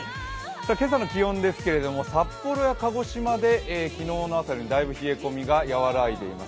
今朝の気温ですけれども札幌や鹿児島で昨日の朝よりだいぶ冷え込みが和らいでいます。